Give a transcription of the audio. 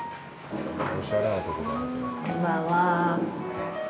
こんばんは。